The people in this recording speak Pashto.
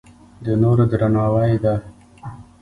د نورو درناوی ده.